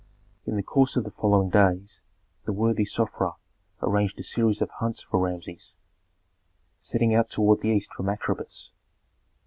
In the course of the following days the worthy Sofra arranged a series of hunts for Rameses, setting out toward the east from Atribis.